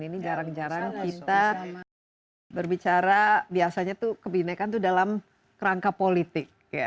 ini jarang jarang kita berbicara biasanya tuh kebinekaan itu dalam kerangka politik